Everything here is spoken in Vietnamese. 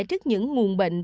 trước những nguồn bệnh